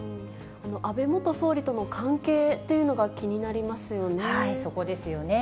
安倍元総理との関係というのそこですよね。